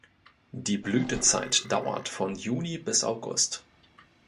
Die Blütezeit dauert von Juni bis August.